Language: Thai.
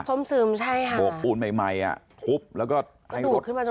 ซวมซึมใช่บกปูนใหม่อ่ะทุบแล้วก็ดูขึ้นมาจะ